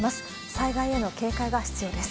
災害への警戒が必要です。